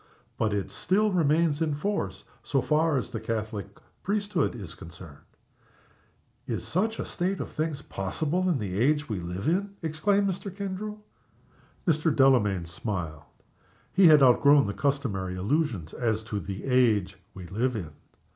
But it still remains in force so far as the Roman Catholic priesthood is concerned." "Is such a state of things possible in the age we live in!" exclaimed Mr. Kendrew. Mr. Delamayn smiled. He had outgrown the customary illusions as to the age we live in.